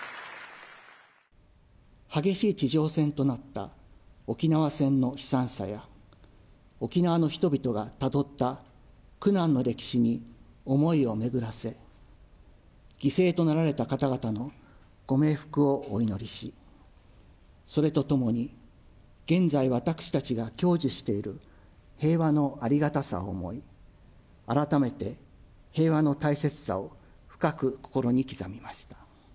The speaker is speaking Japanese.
激しい地上戦となった沖縄戦の悲惨さや、沖縄の人々がたどった苦難の歴史に思いを巡らせ、犠牲となられた方々のご冥福をお祈りし、それとともに、現在、私たちが享受している平和のありがたさを思い、改めて平和の大切さを深く心に刻みました。